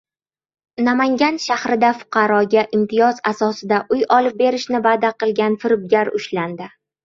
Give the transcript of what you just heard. Namangan shahrida fuqaroga imtiyoz asosida uy olib berishni va’da qilgan firibgar ushlandi